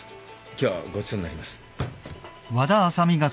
今日はごちそうになります。